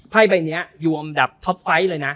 พ่ายใบนี้ยังอยู่อันดับท็อปไฟท์เลยนะ